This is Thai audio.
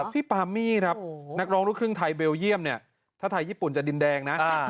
พี่ปามี่ครับนักร้องลูกครึ่งไทยเบลเยี่ยมเนี่ยถ้าไทยญี่ปุ่นจะดินแดงนะ